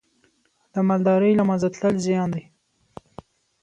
د مالدارۍ له منځه تلل زیان دی.